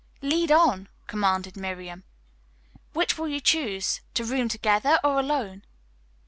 "Lead on," commanded Miriam. "Which will you choose, to room together or alone?"